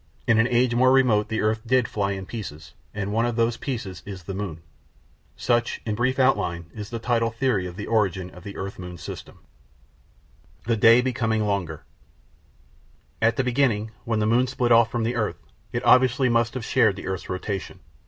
In an age more remote the earth did fly in pieces, and one of those pieces is the moon. Such, in brief outline, is the tidal theory of the origin of the earth moon system. The Day Becoming Longer At the beginning, when the moon split off from the earth, it obviously must have shared the earth's rotation.